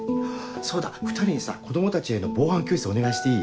そうだ２人にさ子供たちへの防犯教室お願いしていい？